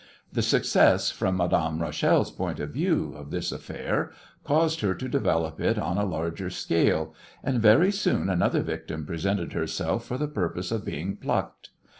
The success, from Madame Rachel's point of view, of this affair caused her to develop it on a larger scale, and very soon another victim presented herself for the purpose of being plucked.